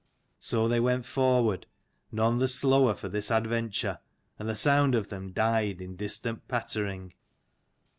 So they went forward, none the slower for this adventure: and the sound of them died in distant pattering.